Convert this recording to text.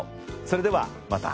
それではまた。